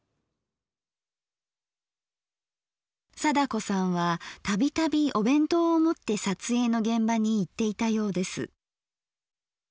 貞子さんは度々お弁当を持って撮影の現場に行っていたようです。